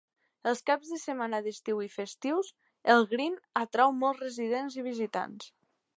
Els caps de setmana d'estiu i festius, el Green atrau molts residents i visitants.